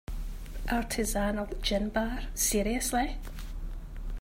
Artisanal gin bar, seriously?!